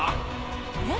えっ？